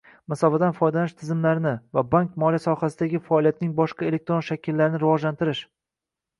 masofadan foydalanish tizimlarini va bank-moliya sohasidagi faoliyatning boshqa elektron shakllarini rivojlantirish.